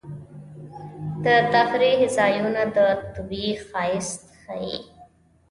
د تفریح ځایونه د طبیعت ښایست ښيي.